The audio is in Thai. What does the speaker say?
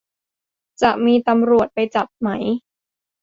จะมีตำรวจไปจับไหม